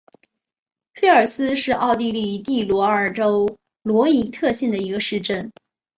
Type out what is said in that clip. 菲尔斯是奥地利蒂罗尔州罗伊特县的一个市镇。